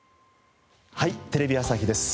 『はい！テレビ朝日です』